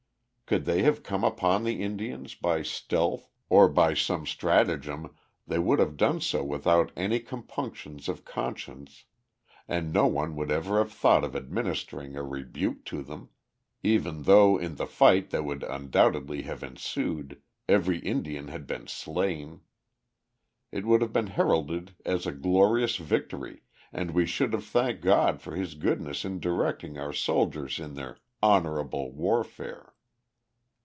Could they have come upon the Indians by stealth, or by some stratagem, they would have done so without any compunctions of conscience, and no one would ever have thought of administering a rebuke to them, even though in the fight that would undoubtedly have ensued every Indian had been slain. It would have been heralded as a glorious victory, and we should have thanked God for His goodness in directing our soldiers in their "honorable" warfare.